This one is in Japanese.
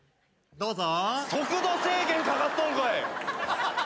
どうぞ。